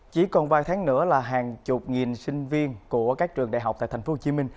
chỉ còn vài tháng nữa là hàng chục nghìn sinh viên của các trường đại học tại tp hcm